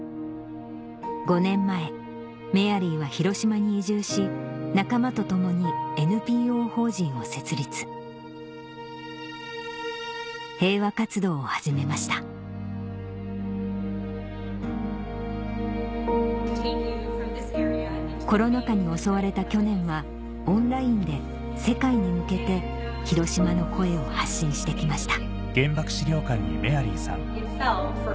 ５年前メアリーは広島に移住し仲間と共にＮＰＯ法人を設立平和活動を始めましたコロナ禍に襲われた去年はオンラインで世界に向けてヒロシマの声を発信して来ました